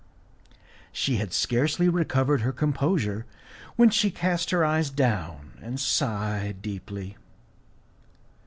She had scarcely recovered her composure when she cast her eyes down and sighed deeply.